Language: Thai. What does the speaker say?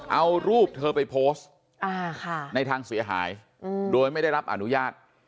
เอารูปเธอไปโพสต์ในทางเสียหายโดยไม่ได้รับอนุญาต